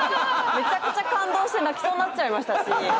めちゃくちゃ感動して泣きそうになっちゃいましたし。